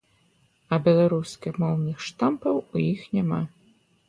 А беларускамоўных штампаў у іх няма.